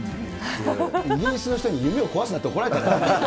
イギリスの人に夢を壊すなって怒られたんだから。